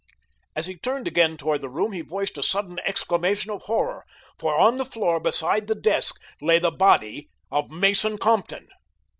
As he turned again toward the room he voiced a sudden exclamation of horror, for on the floor beside his desk lay the body of Mason Compton!